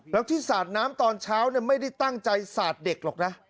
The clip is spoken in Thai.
แล้วที่สาดน้ำตอนเช้าไม่ได้ตั้งใจสาดเด็กหรอกนะ